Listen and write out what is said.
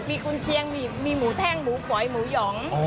มีกุญเชียงมีหมูแท่งหมูฝอยหมูหยอง